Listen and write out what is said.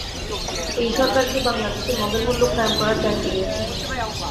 এই সরকার কি বাংলাদেশে মগের মুলুক কায়েম করার দায়িত্ব নিয়েছে?